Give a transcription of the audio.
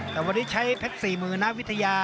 แต่วันนี้ใช้เพชรสี่หมื่นนะวิทยา